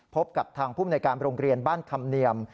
พบกับทางภูมิในการโรงเรียนบ้านคำเนียม